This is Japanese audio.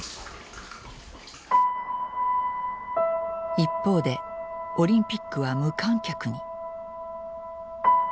一方でオリンピックは無観客に。